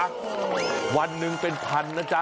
หือวันนึงเป็น๑๐๐๐บาทนะจ๊ะ